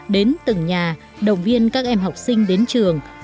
đến từng nhà đồng viên các em học sinh đến trường